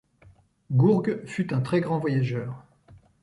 Gourgues fut un très grand voyageur.